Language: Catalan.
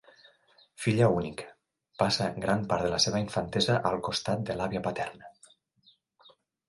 Filla única, passa gran part de la seva infantesa al costat de l'àvia paterna.